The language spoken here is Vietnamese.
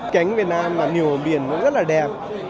cánh việt nam là nhiều biển rất là đẹp